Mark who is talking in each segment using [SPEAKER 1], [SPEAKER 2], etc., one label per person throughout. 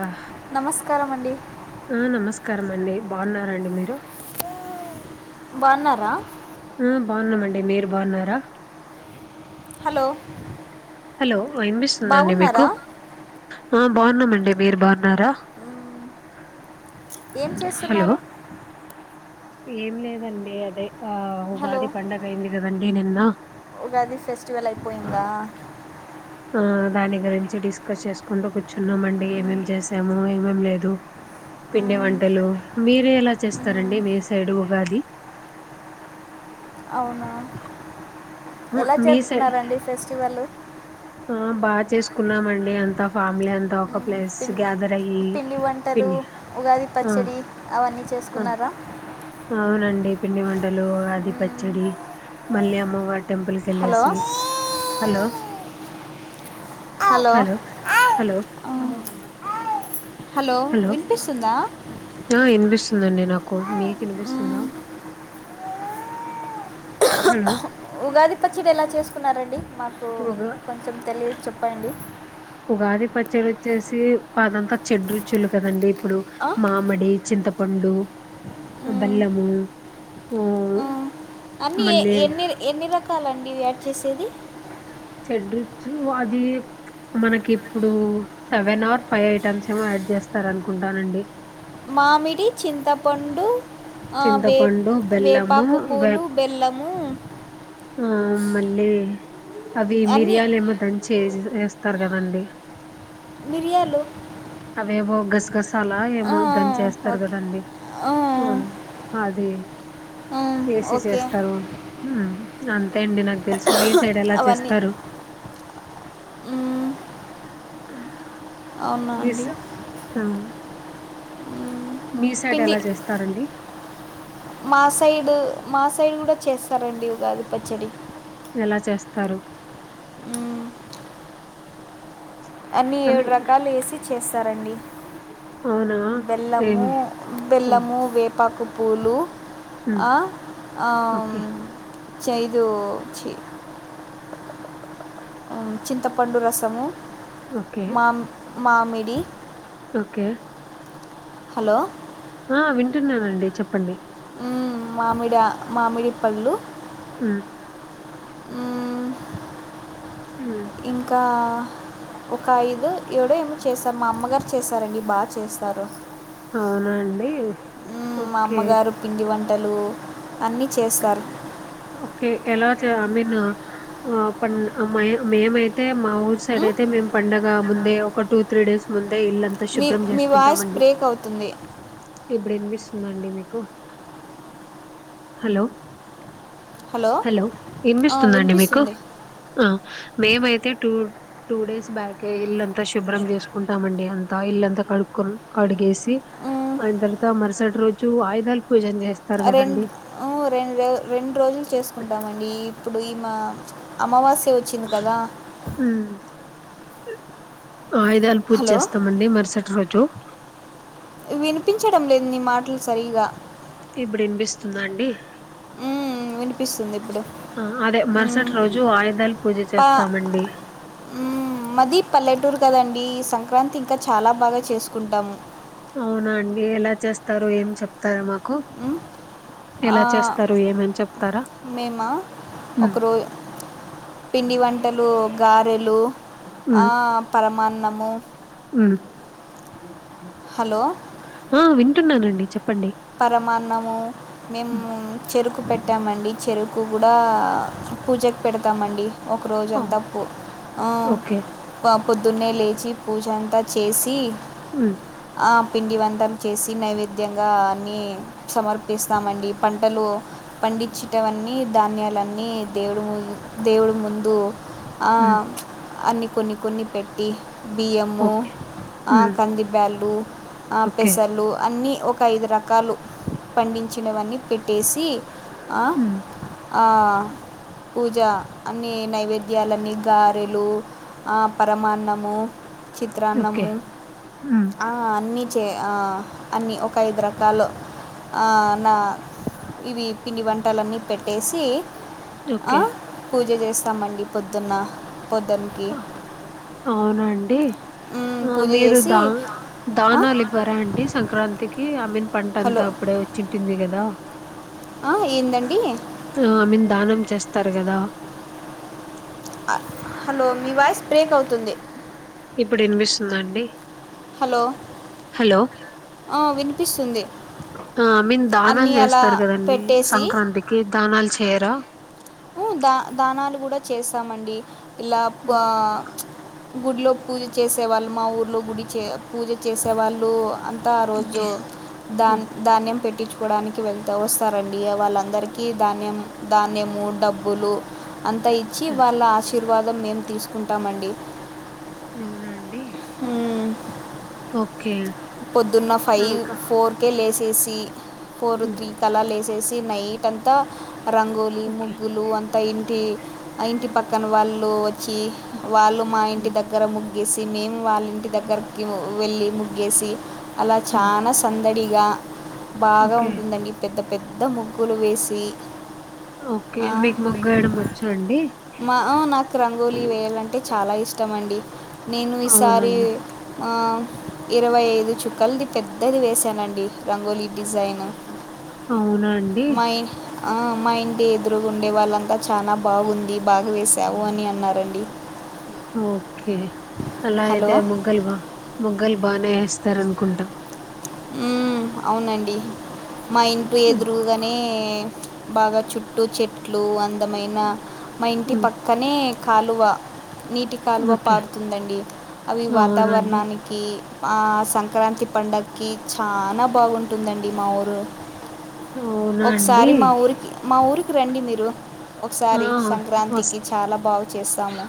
[SPEAKER 1] ఆ
[SPEAKER 2] నమస్కారం అండి
[SPEAKER 1] ఆ నమస్కారం అండి బాఉన్నారాండి మీరు
[SPEAKER 2] బాన్నారా
[SPEAKER 1] ఆ బాగున్నామండి మీరు బాఉన్నారా
[SPEAKER 2] హలో
[SPEAKER 1] హలో వినిపిస్తుందా అండి
[SPEAKER 2] బాగున్నారా
[SPEAKER 1] మీకు బావున్నామండి. మీరు బావున్నారా
[SPEAKER 2] ఉమ్ ఏం
[SPEAKER 1] హలో!
[SPEAKER 2] చేస్తున్నారు.
[SPEAKER 1] ఏం లేదండి అదే ఆ
[SPEAKER 2] హలో
[SPEAKER 1] ఉగాది పండగాైంది కదండ్ నేనీన్నా
[SPEAKER 2] ఉగాది ఫెస్టివల్ అయిపోయిందా.
[SPEAKER 1] ఆ దాని గురించి డిస్కస్ చేసుకుంటూ కూర్చున్నామండి. ఏమేం చేసాము, ఏమేం లేదు. పిండి
[SPEAKER 2] మ్మ్,
[SPEAKER 1] వంటలు. మీర్ ఎలా
[SPEAKER 2] మ్మ్,
[SPEAKER 1] చేస్తారండి మీ స్ సైడ్ ఉగాది.
[SPEAKER 2] అవునా
[SPEAKER 1] ఆ!
[SPEAKER 2] ఎలా
[SPEAKER 1] మీ సైడ్
[SPEAKER 2] జరుపుకున్నారండి ఫెస్టివల్లు
[SPEAKER 1] ఆ బాగా చేసుకున్నామండి. అంతా ఫామిలీ అంతా ఒక
[SPEAKER 2] మ్మ్,
[SPEAKER 1] ప్లస్
[SPEAKER 2] పిం
[SPEAKER 1] గ్యాదర్ అయ్యి.
[SPEAKER 2] పిండి వంటలు
[SPEAKER 1] పిన్నీ
[SPEAKER 2] ఉగాది
[SPEAKER 1] ఆ
[SPEAKER 2] పచ్చడి అవన్నీ
[SPEAKER 1] ఆ
[SPEAKER 2] చేసుకున్నారా
[SPEAKER 1] అవునండి పిండివంట్ టలు అది
[SPEAKER 2] మ్మ్,
[SPEAKER 1] పచ్చడి మల్లి అమ్మ వాన్ టెంపుల్కి
[SPEAKER 2] హలో
[SPEAKER 1] ఎళ్లేసి హలో హలో హలో
[SPEAKER 2] మ్మ్, హలో వినిపిసుందా
[SPEAKER 1] ఆ ఇనిపిస్తుందండి నాకు. మీకు
[SPEAKER 2] మ్మ్,
[SPEAKER 1] ఇనిపిస్తుందా. హలో
[SPEAKER 2] ఉగాది పచ్చడి ఎలా చేసుకున్నారండి. మాకు
[SPEAKER 1] ఉగా
[SPEAKER 2] కొంచెం తెలిద్ చెప్పండి.
[SPEAKER 1] చడ్ వచ్చేసి. అదంతా చెడ్రుచులు కదండి. ఇప్పుడు
[SPEAKER 2] ఆ?
[SPEAKER 1] మామిడి, చింతపండు,
[SPEAKER 2] మ్మ్,
[SPEAKER 1] బెల్లము, ఉహ్
[SPEAKER 2] మ్మ్. అన్నీ ఎ ఎన్ని ఎన్ని రకాలండివే చేసేది
[SPEAKER 1] చేడ్రుచులు అది. మనకి ఇప్పుడు సెవెన్ అర్ ఫైవ్ ఐటమ్స్ ఏమో యాడ్ చేస్తారు అనుకుంటానండి.
[SPEAKER 2] మామిడి, చింతపండు, ఆ వేప్
[SPEAKER 1] చింతపండు బెల్లము
[SPEAKER 2] వేపాకు
[SPEAKER 1] వే
[SPEAKER 2] పూలు, బెల్లము,
[SPEAKER 1] ఆ మళ్లీ అవి
[SPEAKER 2] అన్నీ
[SPEAKER 1] మిర్యాలేమో దంత్ చేసేస్ వేస్తారు కదండీ.
[SPEAKER 2] మిర్యాలు
[SPEAKER 1] అవేవో గసగస్ తలా ఏమో దంచేస్తారు
[SPEAKER 2] ఓకే
[SPEAKER 1] కదండి.
[SPEAKER 2] ఆ,
[SPEAKER 1] అది
[SPEAKER 2] ఆ,
[SPEAKER 1] ఏసి
[SPEAKER 2] ఓకే
[SPEAKER 1] చేస్తారు. అ అంతే అండి నాకు తెలుసు మీ సైడ్ ఎలా
[SPEAKER 2] అవన్నీ
[SPEAKER 1] చేస్తారు
[SPEAKER 2] మ్మ్ అవునా అండి
[SPEAKER 1] మీస్ ఆ మీ సైడ్
[SPEAKER 2] పిండి
[SPEAKER 1] ఎలా చేస్తారండి
[SPEAKER 2] మా సైడు మా సైడ్ కూడా చేస్తారండి ఉగాది పచ్చడి
[SPEAKER 1] ఎలా చేస్తారు
[SPEAKER 2] అన్నీ
[SPEAKER 1] ఐ
[SPEAKER 2] ఏడు
[SPEAKER 1] మీన్
[SPEAKER 2] రకాలు వేసి చేస్తారండి
[SPEAKER 1] అవునా
[SPEAKER 2] బెల్లము
[SPEAKER 1] ఏమి ఆ
[SPEAKER 2] బెల్లము వేపాకు పూలు
[SPEAKER 1] ఉమ్
[SPEAKER 2] ఆ ఆ
[SPEAKER 1] ఓకే
[SPEAKER 2] చేదు చి చింతపండు రసము
[SPEAKER 1] ఓకే
[SPEAKER 2] మామ్ మామిడి
[SPEAKER 1] ఓకే
[SPEAKER 2] హలో
[SPEAKER 1] ఆ వింటున్నానండి చెప్పండి
[SPEAKER 2] మ్మ్ మామిడి ఆ మామిడి పళ్ళు
[SPEAKER 1] ఉమ్
[SPEAKER 2] మ్మ్
[SPEAKER 1] ఉమ్
[SPEAKER 2] ఇంకా ఒక ఐదు ఏడో ఏమో చేస్తారు మా అమ్మగారు చేసారండి బాచేస్తారు
[SPEAKER 1] అవునా అండి ఓకే
[SPEAKER 2] టలూ అన్నీ చేస్సారు
[SPEAKER 1] చ అ మీన్ పన్ మ మేమైతే మా ఊర్ సైడ్
[SPEAKER 2] ఉమ్?
[SPEAKER 1] అయితే మేం పండగ ముందే ఒక టూ త్రీ డేస్ ముంద్
[SPEAKER 2] మీ మీ వాయిస్ బ్రేక్ అవుతుంది
[SPEAKER 1] ఇప్పుడు వినిపిస్తుందండి మీకు హలో హలో
[SPEAKER 2] ఆ,
[SPEAKER 1] వినిపిస్తుందండి మీకు
[SPEAKER 2] వినిపిస్తుంది
[SPEAKER 1] మేమైతే టూ టూ డేస్ బ్యాకే ఇల్లంతా శుభ్రం చేసుకుంటామండి అంతా ఇల్లంతా కడుకు కడిగేసి
[SPEAKER 2] మ్,
[SPEAKER 1] ఆయన తర్వాత మరుసటి రోజు ఆయుధాలు పూజ చే స్తారు కదండి
[SPEAKER 2] మ్మ్ రెండు రో రెండు రోజులు చేసుకుంటామండి ఈ ఇప్పుడు మా అమావాస్ టు వచ్చింది కదా
[SPEAKER 1] హ్మ్. ఆయుధాల పూజ
[SPEAKER 2] హలో
[SPEAKER 1] చేస్తామండి మరుసటి రోజు
[SPEAKER 2] వినిపించడం లేదు నీ మాటలు సరీగ
[SPEAKER 1] ఇబ్బుడినిపిస్తుందా అండి.
[SPEAKER 2] ఉమ్ వినిపిస్తుంది ఇప్పుడు
[SPEAKER 1] ఆ అదే
[SPEAKER 2] ఉమ్
[SPEAKER 1] మరుసటి రోజు ఆయుధాలు పూజ
[SPEAKER 2] పా
[SPEAKER 1] చేస్తామండి
[SPEAKER 2] మ్మ్ మది పల్లెటూరు కదండి సంక్ క్రాంతి ఇంకా చాలా బాగా చేసుకుంటాము.
[SPEAKER 1] అవునా అండి ఎలా చేస్తారు? ఏం చెప్తారా మాక్
[SPEAKER 2] ఉం ఆ
[SPEAKER 1] ఏమని చెప్తారా
[SPEAKER 2] మేమా
[SPEAKER 1] ఉమ్
[SPEAKER 2] ఒకరో పిండి వంటలు గారెలు ఆ పరమాన్ నమో
[SPEAKER 1] ఉ
[SPEAKER 2] హలో
[SPEAKER 1] ఆ వింటున్నానండి. చెప్పండి
[SPEAKER 2] పరమాన్నము
[SPEAKER 1] ఉమ్
[SPEAKER 2] మేము చెరుకు పెట్టామండి చెరు కు కూడా పూజకు పెడతామండి. ఒక
[SPEAKER 1] ఆ
[SPEAKER 2] రోజంతా పు ఆ
[SPEAKER 1] ఓకే
[SPEAKER 2] పబ్ పొద్దున్నే లేచి పూజ అంతా చేసి
[SPEAKER 1] మ్మ్
[SPEAKER 2] పిండి వంటలు చేసి నైవేద్యంగా నీ సమర్పిస్తామండి. పంటలు పండిచ్చిటవన్ని న్నీ ధాన్యాలన్నీ దేవుడు ముదు దేవుడు ముందు ఆ
[SPEAKER 1] ఉమ్
[SPEAKER 2] అన్ని కొన్ని కొన్ని పెట్టి బియ్యము
[SPEAKER 1] ఓకే
[SPEAKER 2] ఆ
[SPEAKER 1] ఉమ్
[SPEAKER 2] కందిబ్యాల్లు అ
[SPEAKER 1] ఓకే
[SPEAKER 2] పెసలు అన్ని ఒకైదు రక్ కాలు పండించినవన్ని పె ట్టేసి అ
[SPEAKER 1] ఉమ్
[SPEAKER 2] ఆ పూజ అన్నీ నైవేద్యాలన్ని గారెలు ఆ పరమాన్నము
[SPEAKER 1] ఓకే
[SPEAKER 2] చిత్రాన్నము
[SPEAKER 1] ఉమ్
[SPEAKER 2] ఆ అన్ని చే ఆ అన్ని ఒక ఐదు రక్ కాలొ ఆ నా ఇవి పిండి వన్ టలన్ని పెట్టేసి
[SPEAKER 1] ఓకే
[SPEAKER 2] పూజ చేస్ తామండి పొద్దున్న పొద్దున్నకి
[SPEAKER 1] ఆహ్ అవునండి ఆ
[SPEAKER 2] పూజ
[SPEAKER 1] మీరు
[SPEAKER 2] చేసి
[SPEAKER 1] దా దానాలు ఇవ్వరా అండి సంక్రాంతికి ఈ ఆమెన్
[SPEAKER 2] హలో
[SPEAKER 1] పంటంతా అప్పుడే వచ్చింటుంది కదా
[SPEAKER 2] ఏందండి
[SPEAKER 1] ఆ మీన్ దానం చేస్ త్తరు కదా
[SPEAKER 2] హలో మీ వాయిస్ బ్రేక్ అవుతుంది
[SPEAKER 1] ఇప్పుడు ఇన్పిస్తుందా అండి
[SPEAKER 2] హలో
[SPEAKER 1] హలో
[SPEAKER 2] వినిపిస్తుంది
[SPEAKER 1] ఆ మీన్ దానాలు
[SPEAKER 2] అన్నీ అలా
[SPEAKER 1] చేస్తారు కదండి
[SPEAKER 2] పెట్టేసి
[SPEAKER 1] సంక్రాంతికి దానాలు చేయరా
[SPEAKER 2] ఉ దా దానాలు కూడా చేసామండి ఇలా ప్
[SPEAKER 1] హ్మ్.
[SPEAKER 2] ఆ గుడిలో పూజ చేసే వాళ్ళు మా ఊర్లో గుడి చే పూజ చేసే వాళ్ళు అన్ తా ఆ రోజు
[SPEAKER 1] ఓకే
[SPEAKER 2] దాన్
[SPEAKER 1] హ్మ్.
[SPEAKER 2] ధాన్యం పెట్టిచ్చు కోడానికి వెళ్తా వస్తారండి అ వాళ్ళందరికీ ధాన్యం ధాన్యము డబ్బులు అంత ఇచ్చి
[SPEAKER 1] ఓకే
[SPEAKER 2] వాళ్ళ ఆశ్ శిర్వాదం మేం తీసుకుంటామండి
[SPEAKER 1] అవునన్ డి ఓకే
[SPEAKER 2] పొద్దున్న
[SPEAKER 1] ఆ!
[SPEAKER 2] ఫైవ్
[SPEAKER 1] ఇంకా
[SPEAKER 2] ఫోర్ కే లేస్ ఏ సి ఫోరు
[SPEAKER 1] హ్మ్.
[SPEAKER 2] త్రీ కలా లేసేస్ తి నైట్ అంతా రంగోలి
[SPEAKER 1] ఓకే
[SPEAKER 2] ముగ్గులు అంతా ఇంటి ఆ ఇంటి పక్కన వాళ్ళు కి
[SPEAKER 1] హ్మ్.
[SPEAKER 2] వాళ్ళు మా ఇంటి
[SPEAKER 1] హ్మ్.
[SPEAKER 2] దగ్గర ముగ్గేసి మేము వాళ్ళింటి దగ్గరకి వెళ్ళి ముగ్గేసి అలా
[SPEAKER 1] హ్మ్.
[SPEAKER 2] చానా సందడిగా బాగా
[SPEAKER 1] ఓకే
[SPEAKER 2] ఉంటుందండి పెద్ద పెద్ద ముగ్గులు వేసి
[SPEAKER 1] ఓకే
[SPEAKER 2] ఆ
[SPEAKER 1] మీకు ముగ్గేయడం వచ్చా అండి
[SPEAKER 2] మా ఆ నాకు రంగోలీ వేయాలంటే చాలా ఇష్టమండి నేను ఈసారి
[SPEAKER 1] అవునండి
[SPEAKER 2] మాం ఇరవై ఐదు చుక్కల్ ది పెద్దది వేసానండి రంగోలీ డిజైన్
[SPEAKER 1] అవునా అండి
[SPEAKER 2] మా ఇ ఆ మా ఇంటి ఎదురుగుండే వాళ్ళంతా చాన బాగుంది బాగ వేశావు అని అన్నారండి
[SPEAKER 1] ఓకే అలా
[SPEAKER 2] హలో
[SPEAKER 1] ఇయితే ముగ్గయ్ వ ముగ్గుల్ బానే వేస్తారనుకుంటా
[SPEAKER 2] ఉమ్ అవునండి మా ఇంటి ఎదురుగానే బాగా చుట్టూ చెట్లు అందమైన మా ఇంటి పక్కనే కాలువా నీటి కాలువా
[SPEAKER 1] ఓకే
[SPEAKER 2] పారుతుందండి అవి
[SPEAKER 1] అవునండి
[SPEAKER 2] వాతావరణానికి మా సంక్రాంతి పండగ కి చనా బాగుంటుందండి మా ఊరు
[SPEAKER 1] అవునా అండి
[SPEAKER 2] ఒకసారి మా ఊరికి మా ఊరికి రండి మీరు
[SPEAKER 1] ఆ
[SPEAKER 2] ఒకసారి
[SPEAKER 1] వస్
[SPEAKER 2] సంక్రాంతికి చాలా బాగు చేస్తాము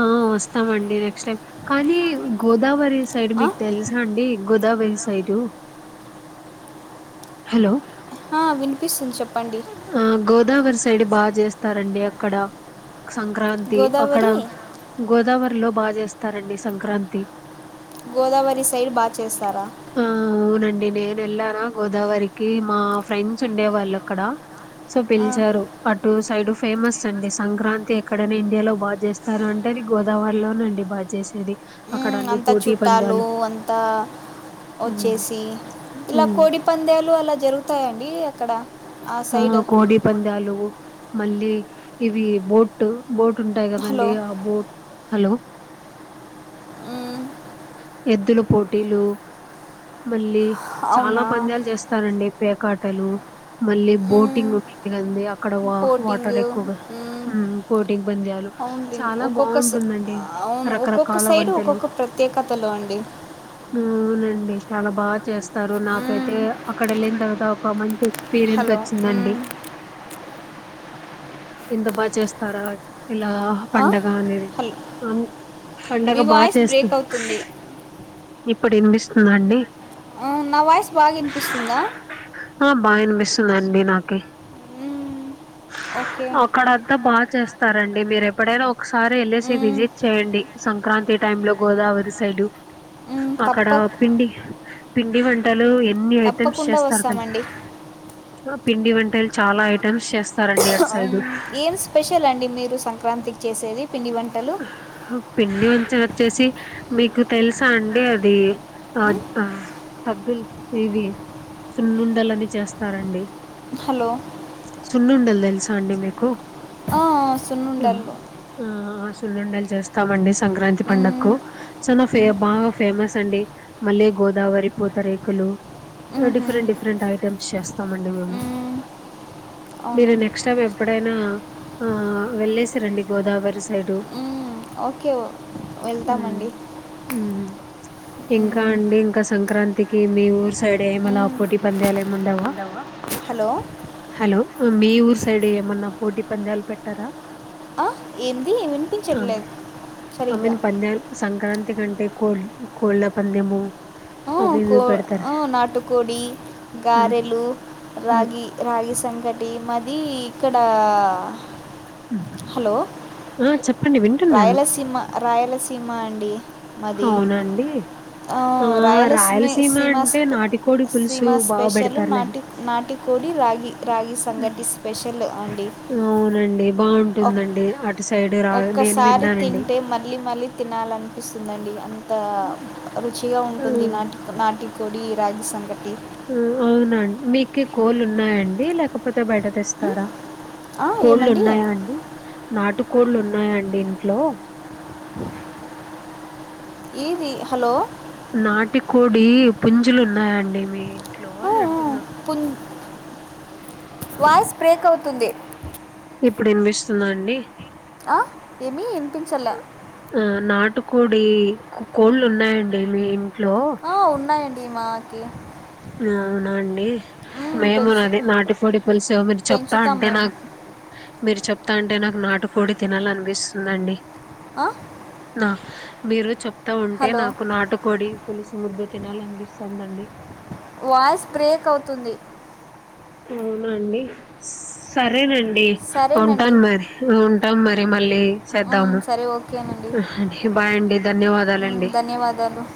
[SPEAKER 1] ఆ వస్తామండి నెక్స్ట్ టైమ్ కానీ గోదావరి సైడ్
[SPEAKER 2] ఆ?
[SPEAKER 1] మీకు తెలుసా అండి గోదావరి సైడ్ హలో
[SPEAKER 2] హా వినిపిస్తుంది చెప్పండి
[SPEAKER 1] ఆ గోదావరి సైడ్ బాగా చేస్తారండి అక్కడ సంక్రాంతి అక్కడ
[SPEAKER 2] గోదావరి
[SPEAKER 1] గోదావరి లో బాగా చేస్తారండి సంక్రాంతి
[SPEAKER 2] గోదావరి సైడ్ బాగా చేస్తారా
[SPEAKER 1] ఆ అవునండి నేను వెళ్ళానా గోదావరికి మా ఫ్రెండ్స్ ఉండే వాళ్ళు అక్కడ సో
[SPEAKER 2] ఆ.
[SPEAKER 1] పిలిచారు అటు సైడ్ ఫేమస్ అండి సంక్రాంతి ఎక్కడైనా ఇండియాలో బాగా చేస్తారు అంటే అది గోదావరి లోనండి బాగా చేసేది
[SPEAKER 2] ఆ
[SPEAKER 1] అక్కడ అన్ని
[SPEAKER 2] అంత
[SPEAKER 1] పోటీ
[SPEAKER 2] చుట్టాలు
[SPEAKER 1] పందాలు
[SPEAKER 2] అంతా
[SPEAKER 1] ఉమ్
[SPEAKER 2] వచ్చేసి ఇలా
[SPEAKER 1] ఉమ్
[SPEAKER 2] కోడి పంద్యాలు అలా జరుగుతాయండి అక్కడ
[SPEAKER 1] ఆ కోడి పంద్యాలు మళ్ళీ ఇవి బోట్ బోట్ ఉంటాయి
[SPEAKER 2] హలో
[SPEAKER 1] కదండి ఆ బోట్ హలో
[SPEAKER 2] మ్మ్,
[SPEAKER 1] ఎద్దుల పోటీలు మళ్ళీ చాలా
[SPEAKER 2] అవునా
[SPEAKER 1] పందాలు చేస్తారండి పేకా టలు మళ్ళీ
[SPEAKER 2] మ్మ్,
[SPEAKER 1] బోటింగ్ ఉంది అక్కడ వా వాటర్
[SPEAKER 2] బోటింగ్
[SPEAKER 1] ఎక్కువగా
[SPEAKER 2] మ్మ్,
[SPEAKER 1] ఉమ్ బోటింగ్ బంద్యాలు
[SPEAKER 2] అవును లింక్.
[SPEAKER 1] చాలా
[SPEAKER 2] ఒక్కొక్క స-
[SPEAKER 1] బాగుంటుందండి
[SPEAKER 2] అవును ఒక్కొక్క
[SPEAKER 1] రకరకాల
[SPEAKER 2] సైడ్
[SPEAKER 1] వంటలు
[SPEAKER 2] ఒక్కొక్క ప్రత్యేకతలు అండి
[SPEAKER 1] అవునండి చాలా బాగా చేస్తారు నాకైతే
[SPEAKER 2] మ్మ్,
[SPEAKER 1] అక్కడ వెళ్ళిన తర్వాత కొమంటే ఎక్స్పీరియన్స్
[SPEAKER 2] హలో
[SPEAKER 1] వచ్చిందండి
[SPEAKER 2] మ్మ్,
[SPEAKER 1] ఎంత బాగా చేస్తారా ఇలా
[SPEAKER 2] ఆ?
[SPEAKER 1] పండగ అనేది
[SPEAKER 2] హలో
[SPEAKER 1] పండగ
[SPEAKER 2] మీ
[SPEAKER 1] బాగా
[SPEAKER 2] వాయిస్ బ్రేక్
[SPEAKER 1] చేస్తుంది
[SPEAKER 2] అవుతుంది
[SPEAKER 1] ఇప్పుడు వినిపిస్తుందండి
[SPEAKER 2] ఆ, నా వాయిస్ బాగా వినిపిస్తుందా
[SPEAKER 1] ఆ బాగా వినిపిస్తు చూడండి నాకై
[SPEAKER 2] మ్మ్. ఓకే
[SPEAKER 1] అక్కడంతా బాగా చేస్తారండి మీరు పడే ఒకసారి వెళ్ళసి
[SPEAKER 2] మ్మ్.
[SPEAKER 1] విజిట్ చేయండి సం క్రాంతి టైమ్ లో గోదావరి సైడ్
[SPEAKER 2] మ్మ్,
[SPEAKER 1] అక్కడ
[SPEAKER 2] తప్ప
[SPEAKER 1] పిండి పిండి వండి ఎన్ని ఐటమ్స్
[SPEAKER 2] తప్పకుండా
[SPEAKER 1] చేస్తారు తెలుసా
[SPEAKER 2] వస్తామండి
[SPEAKER 1] పిండి వంటలు చాలా ఐటమ్స్ చేస్తారండి అడ్ సైడ్
[SPEAKER 2] మ్మ్,
[SPEAKER 1] డు
[SPEAKER 2] ఏం స్పెషల్ అండి మీరు సంక్రాంతికి చేసేది పిండి వంటలు
[SPEAKER 1] పిండి వంచ వచ్చేసి మీకు తెలుసా అండి అది అ
[SPEAKER 2] మ్మ్,
[SPEAKER 1] ఆ సద్దుల్ ఇవి సున్నుండలని చేస్తారండి
[SPEAKER 2] హలో
[SPEAKER 1] సున్నుండలు తెలుసా చండి మీకు
[SPEAKER 2] ఆ సున్నుండలు
[SPEAKER 1] సుండుండలే చేస్తామండి సంక్రాంతి పండగకు
[SPEAKER 2] మ్మ్,
[SPEAKER 1] సొ నా ఫే బాగా ఫేమస్ అండి మళ్ళీ గోదావరి పూత రేకులు
[SPEAKER 2] మ్హూ,
[SPEAKER 1] డిఫరెంట్ డిఫరెంట్ ఐటమ్స్ చేస్తామండి మేము
[SPEAKER 2] మ్మ్,
[SPEAKER 1] మీరు
[SPEAKER 2] అవును
[SPEAKER 1] నెక్స్ట్ టైం ఎప్పుడైనా ఆ వెళ్ళేసి రండి గోదావరి సైడు
[SPEAKER 2] మ్మ్, ఓకే వెళ్తామండి
[SPEAKER 1] ఇంకా
[SPEAKER 2] మ్మ్,
[SPEAKER 1] అండి ఇంకా సంక్రాంతికి మీ ఊరు సైడ్ ఏమనా
[SPEAKER 2] మ్మ్,
[SPEAKER 1] పోటీ పంద్యాలు ఏమిండవా
[SPEAKER 2] ఏముండవా హలో
[SPEAKER 1] హలో మీ ఊరు సైడ్ ఏమన్నా పోటీ పంద్యాలు పెట్టారా
[SPEAKER 2] ఆ ఏం
[SPEAKER 1] ఆమె ఆమను పంద్యాలు సంక్రాంతి కంటే ఎకో కోల్ళ పందేము
[SPEAKER 2] కో నాటుకోడి
[SPEAKER 1] ఉమ్.
[SPEAKER 2] గారెలు
[SPEAKER 1] హ్మ్.
[SPEAKER 2] రాగి రాగి సంకటి అడి మరీ ఇక్కడ హలో
[SPEAKER 1] ఆ చెప్పండి విన్న
[SPEAKER 2] రాయలసీమ రాయలసీమ అండి మాది
[SPEAKER 1] అవునండి ఆ రాయలసీమ
[SPEAKER 2] సీమ
[SPEAKER 1] అంటే
[SPEAKER 2] స్పె-
[SPEAKER 1] నాటికోడి పులుసు
[SPEAKER 2] సీమ
[SPEAKER 1] బాగా
[SPEAKER 2] స్పెషల్
[SPEAKER 1] పెడతారులేండి
[SPEAKER 2] నాటి నాటుకోడి రాగి రాగి సంగటి స్పెషల్ అండి
[SPEAKER 1] అవునండి
[SPEAKER 2] ఒక్-
[SPEAKER 1] బాగుంటుందండి
[SPEAKER 2] ఒక్కసారి తింటే మళ్ళీ మళ్ళీ తినాలనిపిస్తుందండి అ అ
[SPEAKER 1] హ్మ్.
[SPEAKER 2] మంచిిగా ఉంటుంది
[SPEAKER 1] హ్మ్.
[SPEAKER 2] నాటి నాటి కోడి రాజ సంగటి
[SPEAKER 1] ఆ అవునండి మీకు కోలు ఉన్నాయండి లేకపోతే బయట
[SPEAKER 2] ఉమ్,
[SPEAKER 1] తెస్తారా
[SPEAKER 2] ఆ,
[SPEAKER 1] కోళ్ళు
[SPEAKER 2] ఏమండి
[SPEAKER 1] ఉన్నాయా అండి నాటు కోళ్ళు ఉన్నా ఉన్నాయండి ఇంట్లో
[SPEAKER 2] ఏది హలో
[SPEAKER 1] నాటి కోడి పుంజులు ఉన్నాయండి మీ ఇంట్లో
[SPEAKER 2] ఊ,
[SPEAKER 1] అని
[SPEAKER 2] ఊ,
[SPEAKER 1] అంటున్నా
[SPEAKER 2] పున్- వాయిస్ బ్రేక్ అవుతుంది
[SPEAKER 1] ఇప్పుడు వినిపిస్తుందా అండి
[SPEAKER 2] ఆ ఏమీ ఇనుపించలా
[SPEAKER 1] ఈ కొకో కోళ్ళు ఉన్నాయండి మీ ఇంట్లో
[SPEAKER 2] డి మాకి
[SPEAKER 1] అవునా అండి
[SPEAKER 2] మ్మ్,
[SPEAKER 1] మేము కూడా
[SPEAKER 2] పెంచు
[SPEAKER 1] అది నాటికోడి పులుసు మీరు చెప్తా
[SPEAKER 2] పెంచుతాం
[SPEAKER 1] అంటే
[SPEAKER 2] మేము
[SPEAKER 1] నాకు మీరు చెప్ అంటే నాకు నాటు కోడి తినాలనిపిస్తుందండి
[SPEAKER 2] ఆ,
[SPEAKER 1] హా మీరు చెప్పు చెప్తా ఉంటే
[SPEAKER 2] హలో
[SPEAKER 1] నాకు నాటుకోడి పులుసు ముద్ద తినాలి అనిపిస్తుందండి
[SPEAKER 2] వాయిస్ బ్రేక్ అవుతుంది
[SPEAKER 1] అవునండి సరే సరేనండి
[SPEAKER 2] సరేనండి
[SPEAKER 1] ఉంటాను మరి ఉంటాం మరి మళ్ళీ
[SPEAKER 2] మ్మ్,
[SPEAKER 1] చేద్దాము
[SPEAKER 2] సరే ఓకేనండి
[SPEAKER 1] బాయ్ అండి
[SPEAKER 2] మ్మ్,
[SPEAKER 1] ధన్యవాదాలండి
[SPEAKER 2] ధన్యవాదాలు